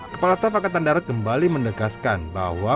kepala staf angkatan darat kembali menegaskan bahwa